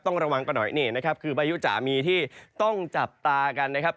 ต้องระวังกันหน่อยนี่นะครับคือพายุจะมีที่ต้องจับตากันนะครับ